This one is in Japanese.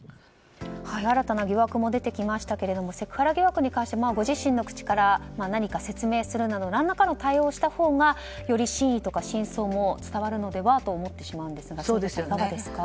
新たな疑惑も出てきましたがセクハラ疑惑に関してご自身の口から何か説明するなど何らかの対応をしたほうがより真意とか真相も伝わるのではと思いますがどうですか？